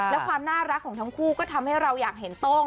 และความน่ารักของทั้งคู่ก็ทำให้เราอยากเห็นโต้ง